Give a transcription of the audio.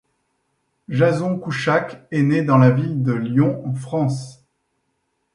Jason Kouchak est né dans la ville de Lyon, en France.